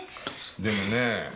でもねえ